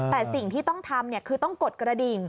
แต่สิ่งที่ต้องทำคือต้องกดกระดิ่ง